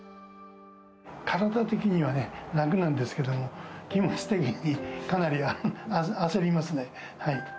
体的にはね、楽なんですけども、気持ち的にかなり焦りますね。